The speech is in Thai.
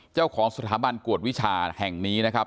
เจ้าของสถาบันกวดวิชาแห่งนี้นะครับ